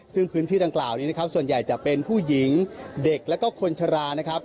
ซึ่งพื้นที่ดังกล่าวนี้นะครับส่วนใหญ่จะเป็นผู้หญิงเด็กแล้วก็คนชรานะครับ